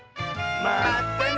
まったね！